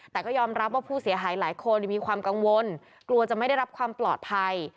แต่ก็ยอมรับว่าผู้เสียหายหลายคนมีความกังวลกลัวจะไม่ได้รับความปลอดภัย